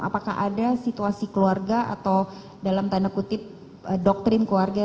apakah ada situasi keluarga atau dalam tanda kutip doktrin keluarga